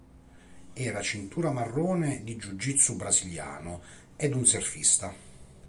Era cintura marrone di Jiu jitsu brasiliano ed un surfista.